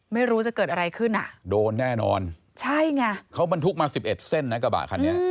ไม่รู้จะเกิดอะไรขึ้นอ่ะใช่ไงมันทุกมา๑๑เส้นนะกระบะคันนี้